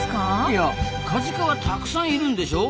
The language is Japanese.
いやカジカはたくさんいるんでしょう？